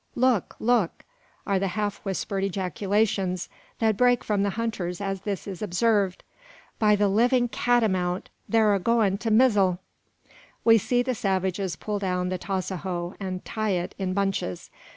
"Look, look!" are the half whispered ejaculations that break from the hunters as this is observed. "By the livin' catamount, thar a going to mizzle!" We see the savages pull down the tasajo and tie it in bunches.